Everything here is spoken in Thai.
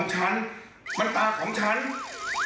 ฉันไม่อยากมีอะไร